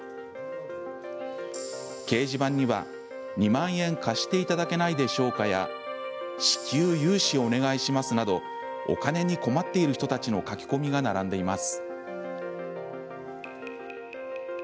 掲示板には「２万円貸していただけないでしょうか？」や「至急融資お願いします」などお金に困っている人たちの書き込みが並んでいます。